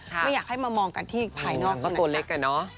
ไม่อยากให้มามองกันที่ภายนอกขนาดนั้นค่ะอ๋อมันก็ตัวเล็กกันเนาะ